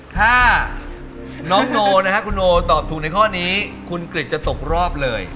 ถ้าน้องโนนะครับคุณโอตอบถูกในข้อนี้คุณกริจจะตกรอบเลย